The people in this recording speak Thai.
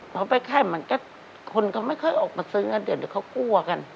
พอไปไข้คนก็ไม่ค่อยออกมาซื้องานเดี๋ยวเดี๋ยวเขากลัวกัน